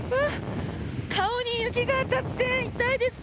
顔に雪が当たって痛いですね。